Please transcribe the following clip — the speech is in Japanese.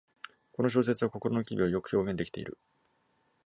この小説は心の機微をよく表現できている